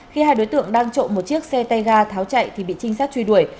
khi hai đối tượng đang trộm một chiếc xe tay ga tháo chạy thì bị trinh sát truy đuổi